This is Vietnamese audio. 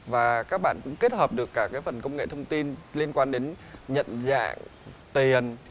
và các bạn cũng kết hợp được cả cái phần công nghệ thông tin liên quan đến nhận dạng tiền